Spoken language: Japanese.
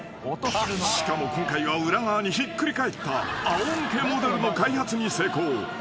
［しかも今回は裏側にひっくり返ったあお向けモデルの開発に成功］